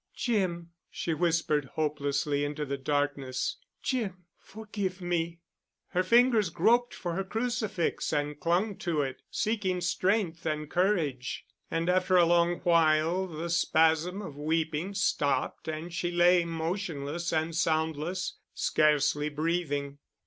"Jim," she whispered hopelessly into the darkness. "Jim, forgive me!" Her fingers groped for her crucifix and clung to it, seeking strength and courage. And after a long while the spasm of weeping stopped and she lay motionless and soundless, scarcely breathing.